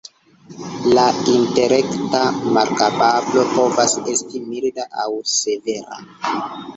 La intelekta malkapablo povas esti milda aŭ severa.